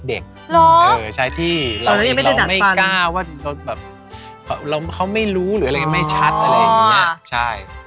รอตอนนั้นยังไม่ได้หนัดฟันใช่ที่เราไม่กล้าวว่าแบบเขาไม่รู้หรืออะไรยังไม่ชัดอะไรอย่างนี้ใช่